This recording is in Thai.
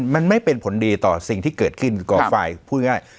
มันไม่เป็นผลดีต่อสิ่งที่เกิดขึ้นก่อไฟพูดง่าย